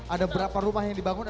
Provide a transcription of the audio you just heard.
ada berapa rumah yang dibangun